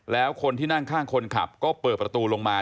แล้วคนที่นั่งข้างคนขับก็เปิดประตูลงมา